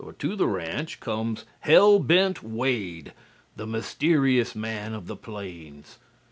To the ranch comes "Hell Bent" Wade, the mysterious man of the plains.